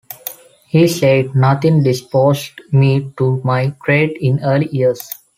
He said, nothing disposed me to my trade in early years.